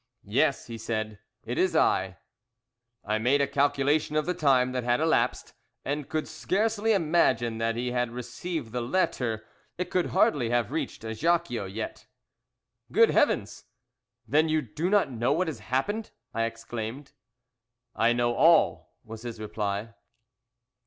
"Yes," he said, "it is I." I made a calculation of the time that had elapsed, and could scarcely imagine that he had received the letter it could hardly have reached Ajaccio yet. "Good Heavens! then you do not know what has happened?" I exclaimed. "I know all," was his reply.